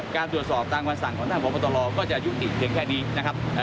การตรวจสอบตามคำสั่งของท่านพบตรก็จะยุติเพียงแค่นี้นะครับ